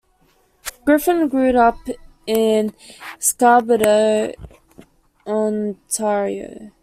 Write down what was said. Griffin grew up in Scarborough, Ontario.